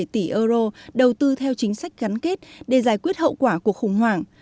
một mươi tỷ euro đầu tư theo chính sách gắn kết để giải quyết hậu quả của khủng hoảng